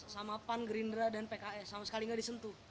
sama pan gerindra dan pks sama sekali nggak disentuh